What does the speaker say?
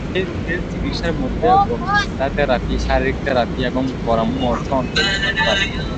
এই রোগের চিকিৎসার মধ্যে বক্তৃতা থেরাপি, শারীরিক থেরাপি, এবং পরামর্শ অন্তর্ভুক্ত হতে পারে।